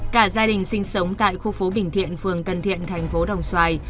cả gia đình sinh sống tại khu phố bình thiện phường tân thiện thành phố đồng xoài